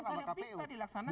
bisa dilaksanakan sama kpu